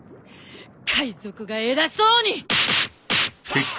海賊が偉そうに！